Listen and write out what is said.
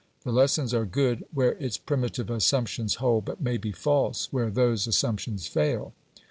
The lessons are good where its primitive assumptions hold, but may be false where those assumptions fail.